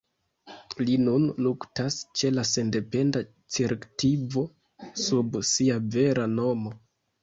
Li nun luktas ĉe la sendependa cirkvito sub sia vera nomo.